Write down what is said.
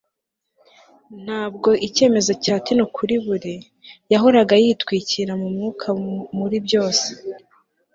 ntabwo icyemezo cya tino kuri buri. yahoraga yitwikira mu mwuka muri byose